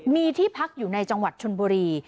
มีที่พักอยู่ในจังหวัดชนบุรี